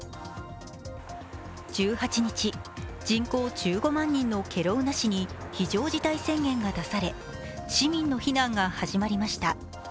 １８日、人口１５万人のケロウナ市に非常事態宣言が出され、市民の避難が始まりました。